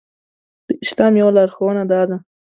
د اسلام يوه لارښوونه دا ده.